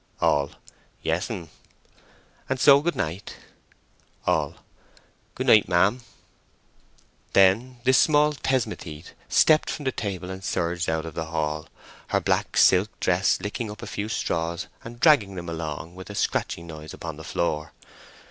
(All.) "Yes'm!" "And so good night." (All.) "Good night, ma'am." Then this small thesmothete stepped from the table, and surged out of the hall, her black silk dress licking up a few straws and dragging them along with a scratching noise upon the floor.